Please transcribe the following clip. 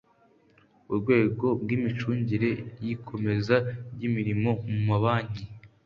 Urwego bw ‘imicungire y ‘ikomeza ry’ imirimo mu mabanki